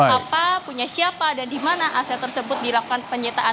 siapa punya siapa dan di mana aset tersebut dilakukan penyitaan